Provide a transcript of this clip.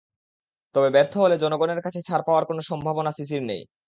তবে ব্যর্থ হলে জনগণের কাছে ছাড় পাওয়ার কোনো সম্ভাবনা সিসির নেই।